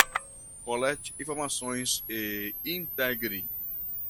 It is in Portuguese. Colete informações e integre